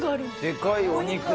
でかいお肉。